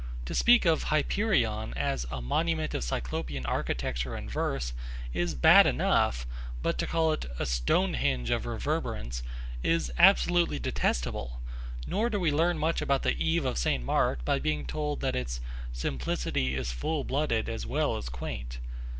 To speak of Hyperion as 'a monument of Cyclopean architecture in verse' is bad enough, but to call it 'a Stonehenge of reverberance' is absolutely detestable; nor do we learn much about The Eve of St. Mark by being told that its 'simplicity is full blooded as well as quaint.'